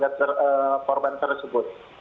nah kita juga mematikan listrik